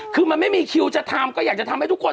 คือมันไม่มีคิวจะทำก็อยากจะทำให้ทุกคน